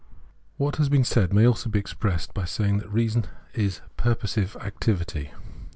What has been said may also be expressed by saying that reason is purposive activity.